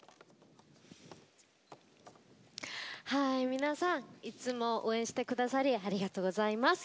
皆さんいつも応援してくださりありがとうございます。